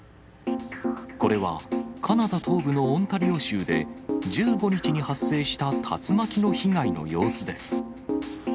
これはカナダ東部のオンタリオ州で、１５日に発生した竜巻の被害の様子です。